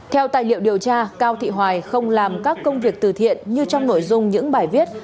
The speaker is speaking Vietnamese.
theo tài liệu điều tra cao thị hoài không làm các công việc từ thiện như trong nội dung những bài viết